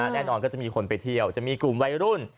แน่นอนก็จะมีคนไปเที่ยวจะมีกลุ่มวัยรุ่น